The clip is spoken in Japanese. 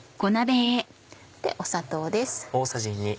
砂糖です。